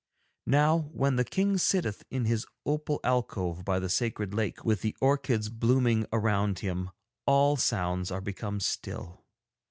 'Now when the King sitteth in his opal alcove by the sacred lake with the orchids blooming around him all sounds are become still.